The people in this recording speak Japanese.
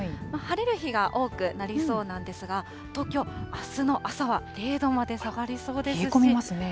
晴れる日が多くなりそうなんですが、東京、あすの朝は０度まで下がりそうです。